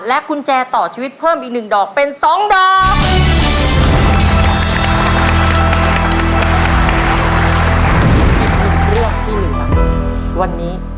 อีกหนึ่งเรื่องที่หนึ่งนะวันนี้